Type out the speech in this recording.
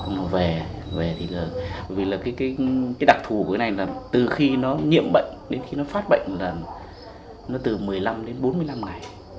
nó về thì là bởi vì là cái đặc thù của này là từ khi nó nhiễm bệnh đến khi nó phát bệnh là nó từ một mươi năm đến bốn mươi năm ngày